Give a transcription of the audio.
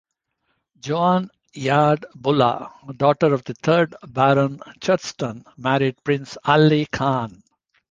Joan Yarde-Buller, daughter of the third Baron Churston, married Prince Aly Khan.